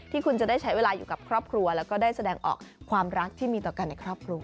ที่คุณจะได้ใช้เวลาอยู่กับครอบครัวแล้วก็ได้แสดงออกความรักที่มีต่อกันในครอบครัว